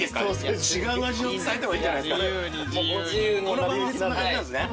この番組そんな感じなんですね。